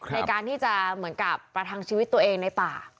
ในการที่จะเหมือนกับประทังชีวิตตัวเองในป่า